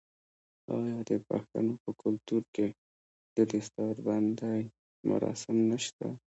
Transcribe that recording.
آیا د پښتنو په کلتور کې د دستار بندی مراسم نشته؟